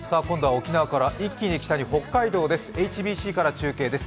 沖縄から一気に北に、北海道です。